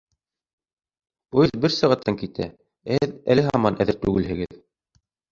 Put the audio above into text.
Поезд бер сәғәттән китә, ә һеҙ әле һаман әҙер түгелһегеҙ.